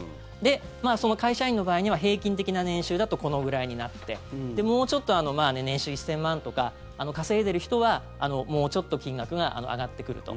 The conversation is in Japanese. その会社員の場合には平均的な年収だとこのくらいになってもうちょっと年収１０００万円とか稼いでいる人はもうちょっと金額が上がってくると。